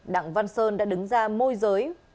đặng văn sơn đã đứng ra môi giới